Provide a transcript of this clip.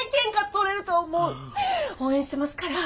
応援してますから。